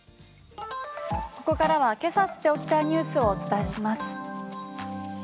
ここからはけさ知っておきたいニュースをお伝えします。